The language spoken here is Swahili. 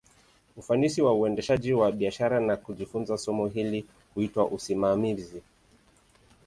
Ufanisi wa uendeshaji wa biashara, na kujifunza somo hili, huitwa usimamizi.